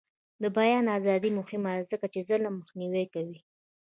د بیان ازادي مهمه ده ځکه چې ظلم مخنیوی کوي.